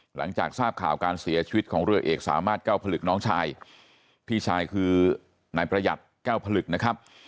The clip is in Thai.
หลังจากทราบข่าวการเสียชีวิตของเรือเอกสามารถแก้วผลึกน้องชายพี่ชายคือนายประหยัดแก้วผลึกนะครับ